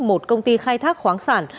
một công ty khai thác khoáng sản